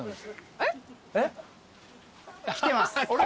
えっ？来てます。